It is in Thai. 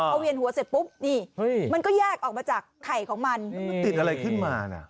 พอเวียนหัวเสร็จปุ๊บนี่มันก็แยกออกมาจากไข่ของมันมันติดอะไรขึ้นมาน่ะ